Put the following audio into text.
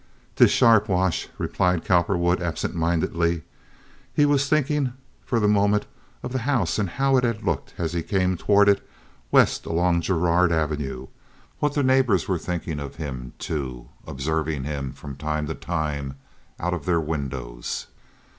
"'Tis sharp, Wash," replied Cowperwood, absentmindedly. He was thinking for the moment of the house and how it had looked, as he came toward it west along Girard Avenue—what the neighbors were thinking of him, too, observing him from time to time out of their windows.